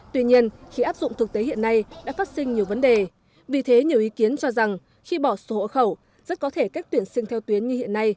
tuy nhiên khi áp dụng thực tế hiện nay đã phát sinh nhiều vấn đề vì thế nhiều ý kiến cho rằng khi bỏ số hộ khẩu rất có thể cách tuyển sinh theo tuyến như hiện nay